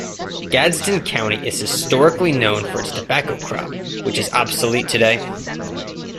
Gadsden County is historically known for its tobacco crop which is obsolete today.